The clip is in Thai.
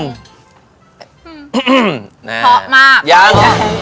เพาะมาก